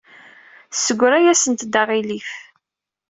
Tessegra-yasent-d aɣilif.